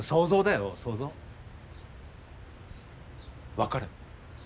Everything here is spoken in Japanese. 分かる。